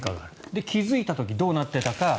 で、気付いた時にどうなっていたか。